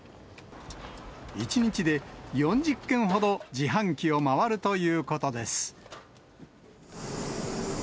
１日で４０件ほど自販機を回るということです。